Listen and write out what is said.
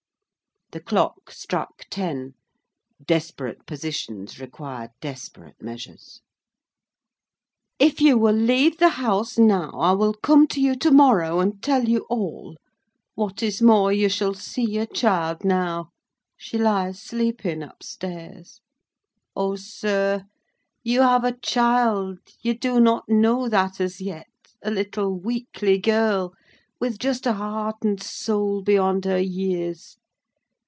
The clock struck ten. Desperate positions require desperate measures. "If you will leave the house now, I will come to you to morrow and tell you all. What is more, you shall see your child now. She lies sleeping up stairs. O, sir, you have a child, you do not know that as yet—a little weakly girl—with just a heart and soul beyond her years.